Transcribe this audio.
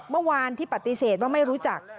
เมื่อวานที่ปฏิเสธว่าไม่รู้จัก